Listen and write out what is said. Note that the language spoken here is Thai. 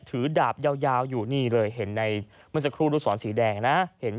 ถือดาบยาวอยู่นี่เลยเห็นในมันเศรษฐ์คู่ลูกศรสีแดงนะ